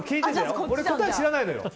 俺、答え知らないのよ。